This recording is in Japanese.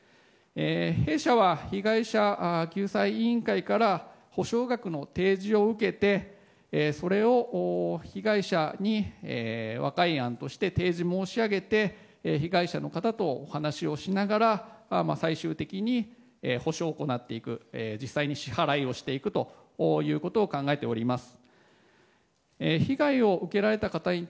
弊社は被害者救済委員会から補償額の提示を受けてそれを被害者に和解案として提示申し上げて被害者の方とお話をしながら最終的に補償を行っていく実際に支払いをしていくということを考えております。